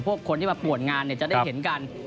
พวกคนที่มาปวดงานเนี่ยจะได้เห็นกัน